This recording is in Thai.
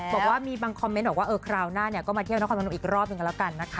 บอกว่ามีบางคอมเมนต์บอกว่าคราวหน้าก็มาเที่ยวน้องคอนบ้านอีกรอบนึงกันแล้วนะคะ